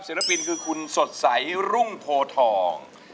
ปินคือคุณสดใสรุ่งโพทอง